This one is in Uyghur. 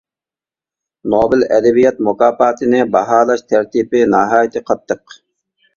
نوبېل ئەدەبىيات مۇكاپاتىنى باھالاش تەرتىپى ناھايىتى قاتتىق.